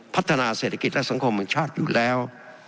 พัฒนาเศรษฐกิจและสังคมแห่งชาติอยู่แล้ว